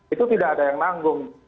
itu tidak ada yang nanggung